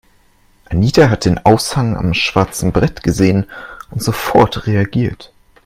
Anita hat den Aushang am schwarzen Brett gesehen und sofort reagiert.